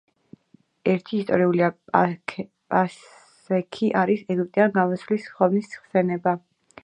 ერთი ისტორიულია: პასექი არის ეგვიპტედან გამოსვლის ხსოვნის ხსენება.